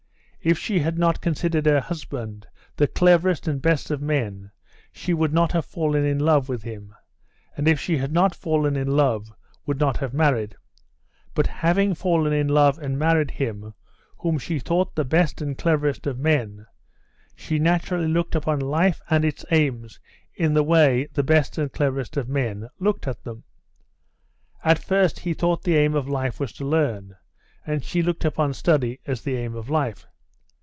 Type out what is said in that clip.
If she had not considered her husband the cleverest and best of men she would not have fallen in love with him; and if she had not fallen in love would not have married; but having fallen in love and married him whom she thought the best and cleverest of men, she naturally looked upon life and its aims in the way the best and cleverest of men looked at them. At first he thought the aim of life was to learn, and she looked upon study as the aim of life.